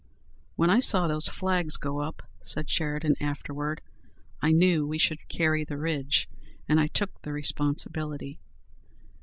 "When I saw those flags go up," said Sheridan afterward, "I knew we should carry the ridge, and I took the responsibility."